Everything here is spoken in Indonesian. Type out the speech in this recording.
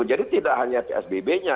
jadi tidak hanya psbb nya